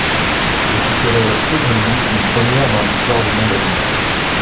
Ce qui serait selon lui une première dans l'histoire du monde animal.